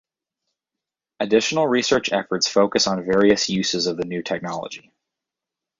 Additional research efforts focus on various uses of the new technology.